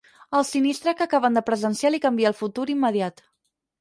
El sinistre que acaben de presenciar li canvia el futur immediat.